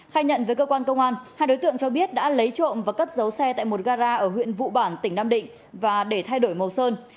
khai nhận với cơ quan công an hai đối tượng cho biết đã lấy trộm và cất giấu xe tại một gara ở huyện vụ bản tỉnh nam định và để thay đổi màu sơn